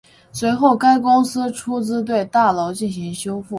随后该公司出资对大楼进行修复。